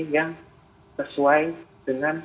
yang sesuai dengan